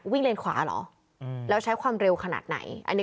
เลนขวาเหรอแล้วใช้ความเร็วขนาดไหน